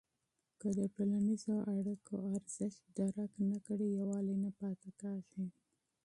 که د ټولنیزو اړیکو اهمیت درک نه کړې، یووالی نه پاتې کېږي.